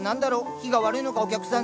日が悪いのかお客さん